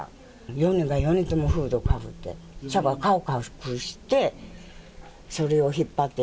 ４人が４人とも、フードかぶって、しかも顔隠して、それを引っ張って。